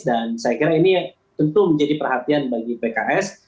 dan saya kira ini tentu menjadi perhatian bagi pks